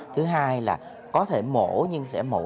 thứ hai là có thể mổ nhưng sẽ mổ